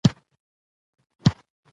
د هندوکش تر څنډو